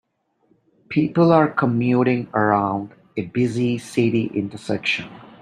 People are commuting around a busy city intersection.